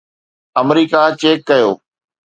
آمريڪا check ڪيو